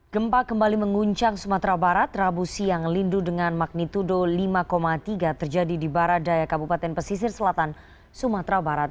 gempa kembali mengguncang sumatera barat rabu siang lindung dengan magnitudo lima tiga terjadi di baradaya kabupaten pesisir selatan sumatera barat